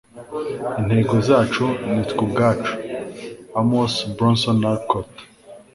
intego zacu ni twe ubwacu. - amos bronson alcott